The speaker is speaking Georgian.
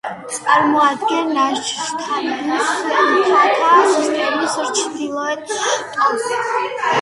წარმოადგენს ნანშანის მთათა სისტემის ჩრდილოეთ შტოს.